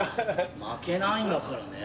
負けないんだからね。